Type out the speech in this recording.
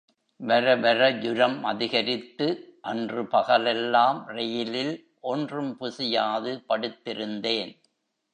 வரவர ஜுரம் அதிகரித்து, அன்று பகலெல்லாம் ரெயிலில் ஒன்றும் புசியாது படுத்திருந்தேன்.